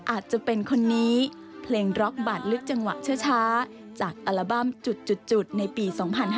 อาจจะเป็นคนนี้เพลงร็อกบาดลึกจังหวะช้าจากอัลบั้มจุดในปี๒๕๕๙